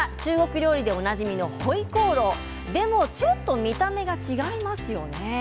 今日は中国料理でおなじみホイコーローでもちょっと見た目が違いますよね。